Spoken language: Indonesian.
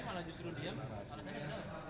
malah justru dia malah saya juga